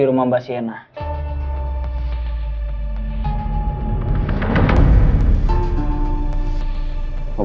bukan yang kita inginkan